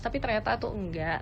tapi ternyata tuh enggak